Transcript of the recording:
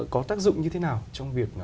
có tác dụng như thế nào trong việc